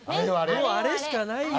もうあれしかないよ。